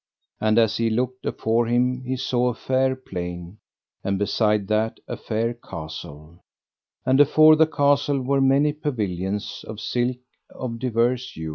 And as he looked afore him he saw a fair plain, and beside that a fair castle, and afore the castle were many pavilions of silk and of diverse hue.